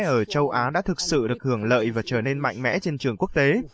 ở châu á đã thực sự được hưởng lợi và trở nên mạnh mẽ trên trường quốc tế